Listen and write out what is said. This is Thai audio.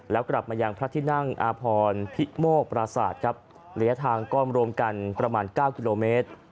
แล้วกลับมายังพระที่นั่งอาพรพิโมกปราศาสตร์ครับระยะทางก็รวมกันประมาณ๙กิโลเมตร